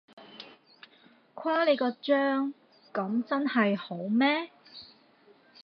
誇你個張，噉真係好咩？